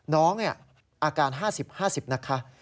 น้องเนี่ยอาการ๕๐๕๐นะคะ